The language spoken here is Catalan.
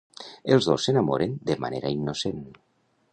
Els dos s'enamoren de manera innocent.